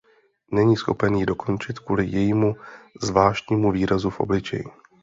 Není schopen ji dokončit kvůli jejímu zvláštnímu výrazu v obličeji.